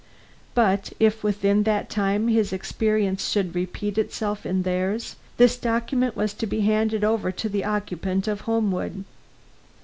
But if within that time his experience should repeat itself in theirs, this document was to be handed over to the occupant of Homewood.